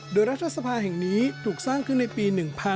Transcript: โดยรัฐสภาแห่งนี้ถูกสร้างขึ้นในปี๑๕